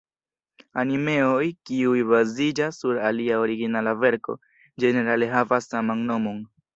Animeoj kiuj baziĝas sur alia originala verko, ĝenerale havas saman nomon.